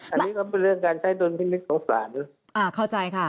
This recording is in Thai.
อันนี้ก็เป็นเรื่องการใช้ดุลพินิษฐ์สงสาร